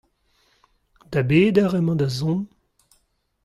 Da bet eur emañ da zont ?